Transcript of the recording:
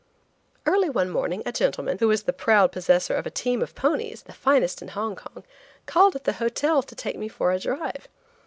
Early one morning a gentleman, who was the proud possessor of a team of ponies, the finest in Hong Kong, called at the hotel to take me for a drive.